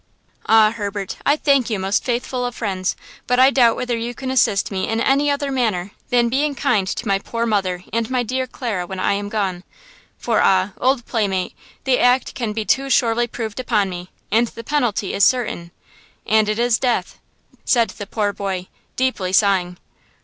"Ah, Herbert, I thank you, most faithful of friends, but I doubt whether you can assist me in any other manner than in being kind to my poor mother and my dear Clara when I am gone–for ah, old playmate, the act can be too surely proved upon me, and the penalty is certain–and it is death!" said the poor boy, deeply sighing.